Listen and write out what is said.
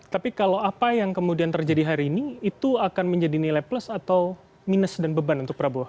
tapi kalau apa yang kemudian terjadi hari ini itu akan menjadi nilai plus atau minus dan beban untuk prabowo